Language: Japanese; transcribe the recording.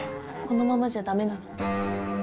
このままじゃダメなの？